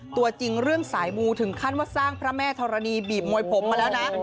ตัวจริงเรื่องสายมูถึงขั้นว่าสร้างพระแม่ธรณีบีบมวยผมมาแล้วนะ